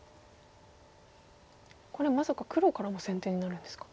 これまさか黒からも先手になるんですか。